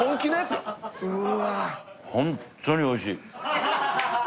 ホントにおいしい